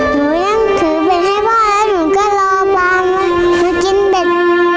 หนูยั่งถือเป็นให้พ่อแล้วหนูก็รอปลามากินเด็ด